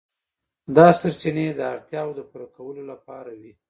دا سرچینې د اړتیاوو د پوره کولو لپاره وې.